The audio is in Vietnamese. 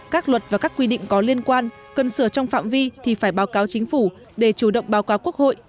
các luật và các quy định có liên quan cần sửa trong phạm vi thì phải báo cáo chính phủ để chủ động báo cáo quốc hội